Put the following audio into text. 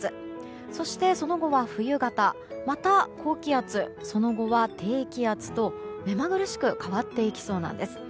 そしてその後は冬型また高気圧その後は低気圧と目まぐるしく変わっていきそうなんです。